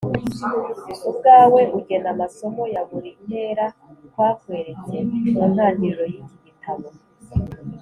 ubwawe ugena amasomo ya buri ntera twakweretse. Mu ntangiriro y’iki gitabo